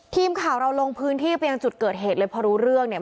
ทีมข่าวเราลงพื้นที่ไปยังจุดเกิดเหตุเลยพอรู้เรื่องเนี่ย